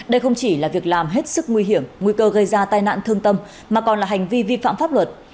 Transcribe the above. đây không chỉ là việc làm hết sức nguy hiểm nguy cơ gây ra tai nạn thương tâm mà còn là hành vi vi phạm pháp luật